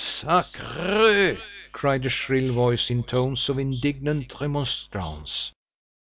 "Sacr r re!" cried a shrill voice, in tones of indignant remonstrance.